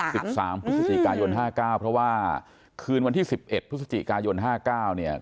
พฤศจิกายน๕๙เพราะว่าคืนวันที่๑๑พฤศจิกายน๕๙